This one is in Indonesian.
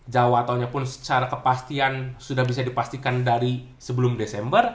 jawa tengah pun secara kepastian sudah bisa dipastikan dari sebelum desember